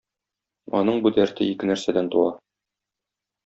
Аның бу дәрте ике нәрсәдән туа.